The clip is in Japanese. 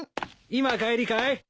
今帰りかい？